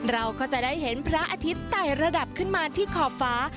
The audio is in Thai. เราก็จะได้เห็นพระอาทิตย์ไต่ระดับขึ้นมาที่ขอบฟ้า